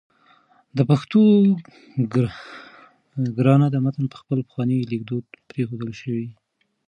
د پښتو ګرانه ده متن په خپل پخواني لیکدود پرېښودل شوی